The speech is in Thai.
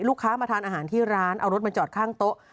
ลูกค้ามาทานอาหารที่ร้านเอารถมาจอดข้างโต๊ะ